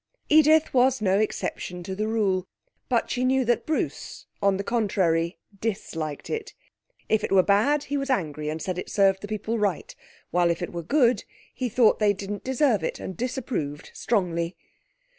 Edith was no exception to the rule, but she knew that Bruce, on the contrary, disliked it; if it were bad he was angry and said it served the people right, while if it were good he thought they didn't deserve it and disapproved strongly.